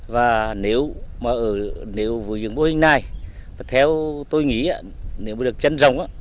và nếu vừa dùng mô hình này theo tôi nghĩ nếu được chân rồng